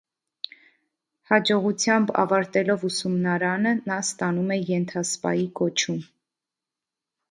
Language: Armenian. Հաջողությամբ ավարտելով ուսումնարանը, նա ստանում է ենթասպայի կոչում։